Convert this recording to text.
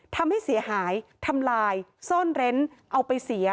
ทำให้เสียหายทำลายซ่อนเร้นเอาไปเสีย